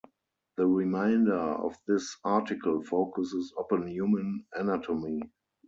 The remainder of this article focuses upon human anatomy.